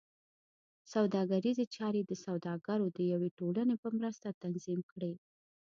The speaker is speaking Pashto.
سوداګریزې چارې د سوداګرو د یوې ټولنې په مرسته تنظیم کړې.